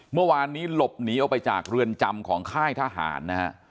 เมื่อวานนี้หลบหนีออกไปจากเรือนจำของค่ายทหารนะฮะ